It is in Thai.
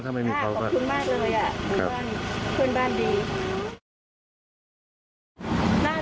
ก็คือใครไม่เจอกับตัวก็ไม่รู้